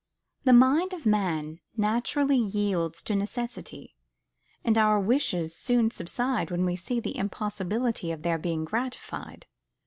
The mind of man naturally yields to necessity; and our wishes soon subside when we see the impossibility of their being gratified.